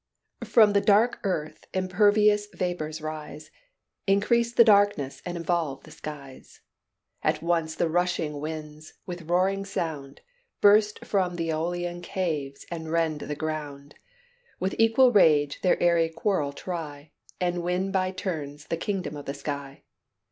"From the dark earth impervious vapors rise, Increase the darkness and involve the skies. At once the rushing winds, with roaring sound, Burst from th' Æolian caves and rend the ground; With equal rage their airy quarrel try, And win by turns the kingdom of the sky.